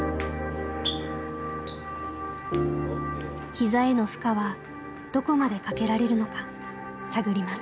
ひざへの負荷はどこまでかけられるのか探ります。